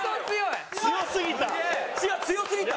強すぎた。